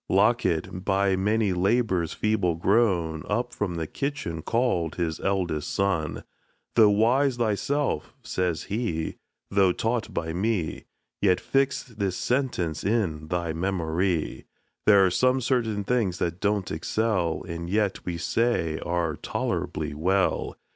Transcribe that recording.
Locket, by many labors feeble grown, Up from the kitchen call'd his eldest son; Though wise thyself (says he), though taught by me, Yet fix this sentence in thy memory: There are some certain things that don't excel, And yet we say are tolerably well.